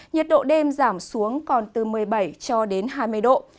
nhiệt độ đêm giảm xuống còn từ một mươi bảy cho đến hai mươi độ